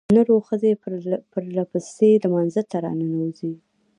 نرو ښځې پرلپسې لمانځه ته راننوځي.